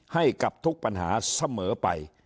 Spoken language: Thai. ให้กับทุกปัญหาเสมอไป